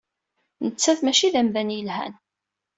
Nettat maci d amdan yelhan.